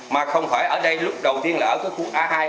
mà không phải ở đây lúc đầu tiên là ở cái khu a hai